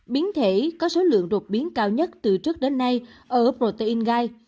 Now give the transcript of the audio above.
biến thể có số lượng đột biến cao nhất từ trước đến nay ở protein gai